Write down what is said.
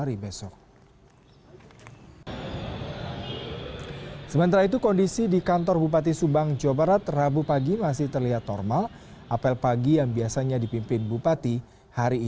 imas akan memasuki masa cuti